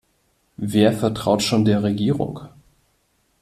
Wer vertraut schon der Regierung?